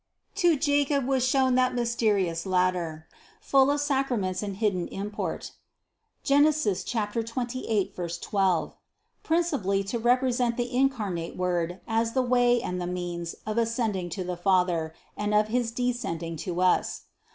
To Jacob was shown that mysterious ladder, full of sacraments and hidden import (Gen. 28, 12), princi pally to represent the incarnate Word as the way and the means of ascending to the Father, and of his descend ing to us.